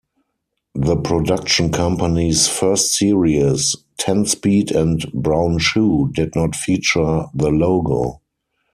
The production company's first series "Tenspeed and Brown Shoe" did not feature the logo.